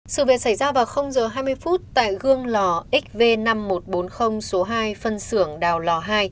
sự việc xảy ra vào h hai mươi phút tại gương lò xv năm nghìn một trăm bốn mươi số hai phân xưởng đào lò hai